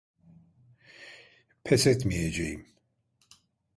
Pes etmeyeceğim.